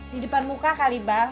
di depan muka kali bang